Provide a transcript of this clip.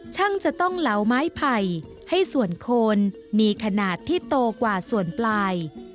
ช่างจะต้องเหลาไม้ไผ่ให้ส่วนโคนมีขนาดที่โตกว่าส่วนปลาย